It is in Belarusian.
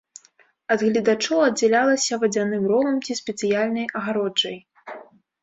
Ад гледачоў аддзялялася вадзяным ровам ці спецыяльнай агароджай.